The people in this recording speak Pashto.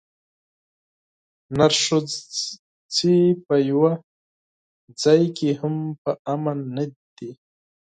نرښځي په یوه ځای کې هم په امن نه دي.